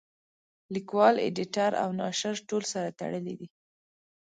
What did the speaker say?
لیکوال اېډیټر او ناشر ټول سره تړلي دي.